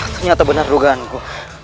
ternyata benar dugaanku